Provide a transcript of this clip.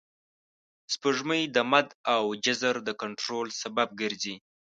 سپوږمۍ د مد او جزر د کنټرول سبب ګرځي